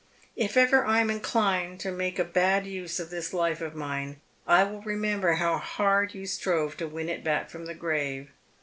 If ever I am inclined to make a bad use of this life of mine, I will remember how hard you strove to win it back jfrom the grave.